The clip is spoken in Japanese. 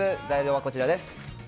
材料はこちらです。